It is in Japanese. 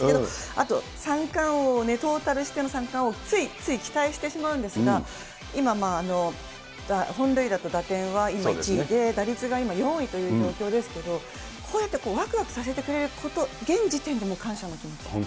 あと三冠王を、トータルとしての三冠王をつい、つい期待してしまうんですが、今、本塁打と打点は今１位で、で、打率が今、４位という状況ですけど、こうやってわくわくさせてくれること、現時点でもう感謝の気持ちあります。